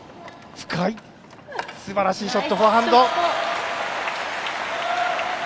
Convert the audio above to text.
深い、すばらしいショットフォアハンド。